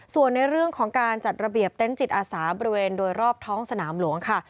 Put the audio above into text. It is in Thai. ส่วนในเรื่องของการจัดระเบียบเต็นต์จิตอาสาบริเวณโดยรอบท้องสนามหลวงค่ะ